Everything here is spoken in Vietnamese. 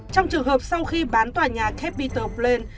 trong trường hợp sau khi bán tòa nhà capitol plain